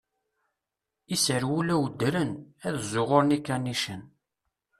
Iserwula udren, ad ẓuɣuren ikanicen.